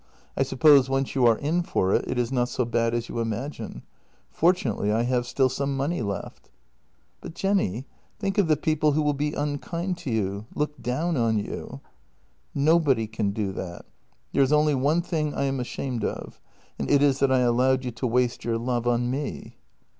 I suppose once you are in for it, it is not so bad as you imagine. Fortunately I have still some money left." " But, Jenny, think of the people who will be unkind to you — look down on you." " Nobody can do that. There is only one thing I am ashamed of, and it is that I allowed you to waste your love on me."